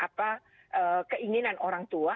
atau atau karena apa keinginan orang tua